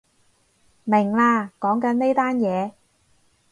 明喇，講緊呢單嘢